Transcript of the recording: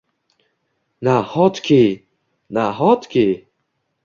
— Na…hot…ki… Na…hot…ki?!